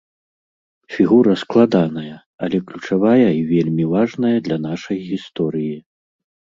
Фігура складаная, але ключавая і вельмі важная для нашай гісторыі.